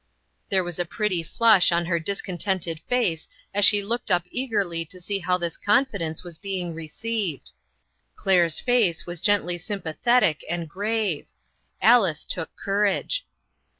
There was a pretty flush on her discon tented face as she looked up eagerly to see how this confidence was being received. Claire's face was gently sympathetic, and grave. Alice took courage.